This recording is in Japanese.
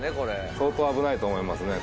相当危ないと思いますね